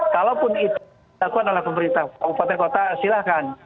kalaupun itu dilakukan oleh pemerintah kabupaten kota silahkan